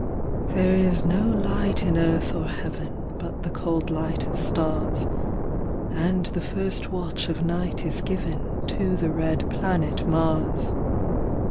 There is no light in earth or heaven, But the cold light of stars; And the first watch of night is given To the red planet Mars.